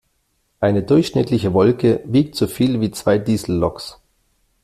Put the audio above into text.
Eine durchschnittliche Wolke wiegt so viel wie zwei Dieselloks.